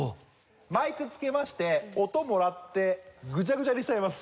マイクつけまして音もらってぐちゃぐちゃにしちゃいます。